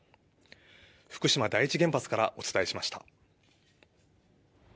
福島第一原発からお伝えしました。